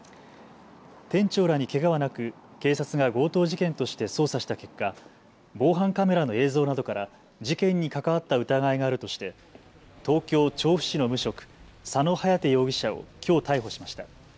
店長らにけがはなく警察が強盗事件として捜査した結果、防犯カメラの映像などから事件に関わった疑いがあるとして東京調布市の無職、佐野颯容疑者をきょう逮捕しました。